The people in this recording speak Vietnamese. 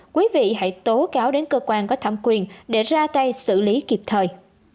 quý vị hãy tố cáo đến cơ quan có thẩm quyền để ra tay xử lý kịp thời